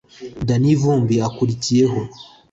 Danny Vumbi akurikiyeho